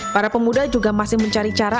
para pemuda juga masih mencari cara